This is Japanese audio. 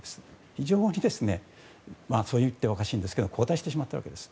非常にそう言ってはおかしいんですが後退してしまってるわけです。